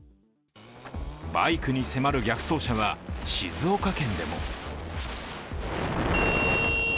バイクに迫る逆走車は静岡県でも。